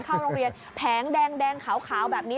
เข้าโรงเรียนแผงแดงขาวแบบนี้